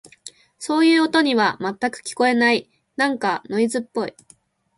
そういう音には、全く聞こえない。なんかノイズっぽい。